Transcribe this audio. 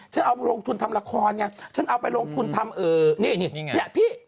เอามาลงทุนทำละครไงฉันเอาไปลงทุนทำนี่นี่ไงเนี่ยพี่